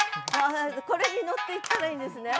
これに乗っていったらいいんですね。